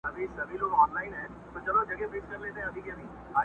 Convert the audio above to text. خو اوږده لکۍ يې غوڅه سوه لنډی سو!!